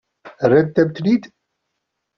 Rrant-am-ten-id.